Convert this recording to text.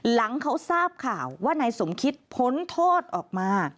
หลังเขาทราบข่าวว่านายสมคิดพ้นโทษออกมา